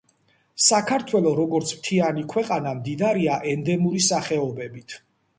საქართველო, როგორც მთიანი ქვეყანა, მდიდარია ენდემური სახეობებით.